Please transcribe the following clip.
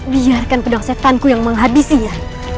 biharkan pedang setanku yang menghabisinya